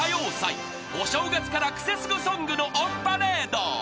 ［お正月からクセスゴソングのオンパレード］